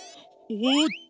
おおっと！